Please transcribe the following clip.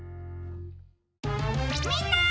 みんな！